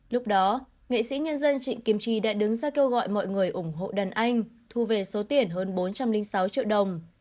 lúc đó nghệ sĩ nhân dân trịnh kim chi đã đứng ra kêu gọi mọi người ủng hộ đàn anh thu về số tiền hơn bốn trăm linh sáu triệu đồng